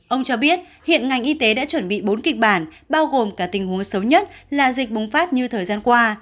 ông cho biết hiện ngành y tế đã chuẩn bị bốn kịch bản bao gồm cả tình huống xấu nhất là dịch bùng phát như thời gian qua